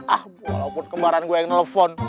ah walaupun kemarin gue yang nelfon